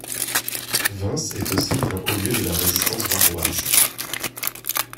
Vins est aussi un haut lieu de la résistance varoise.